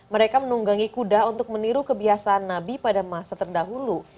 mereka menunggangi kuda untuk meniru kebiasaan nabi pada masa terdahulu